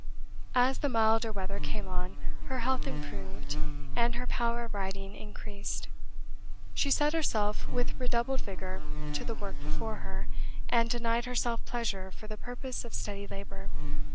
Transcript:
As the milder weather came on, her health improved, and her power of writing increased. She set herself with redoubled vigour to the work before her; and denied herself pleasure for the purpose of steady labour.